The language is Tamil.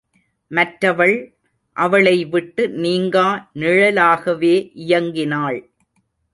மற்றவள் அவளை விட்டு நீங்கா நிழலாகவே இயங்கினாள்.